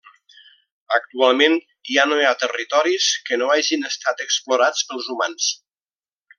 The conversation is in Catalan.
Actualment, ja no hi ha territoris que no hagin estat explorats pels humans.